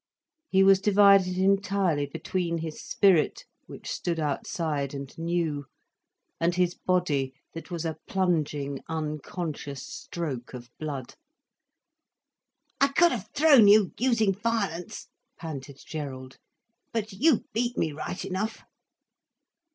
He was divided entirely between his spirit, which stood outside, and knew, and his body, that was a plunging, unconscious stroke of blood. "I could have thrown you—using violence—" panted Gerald. "But you beat me right enough."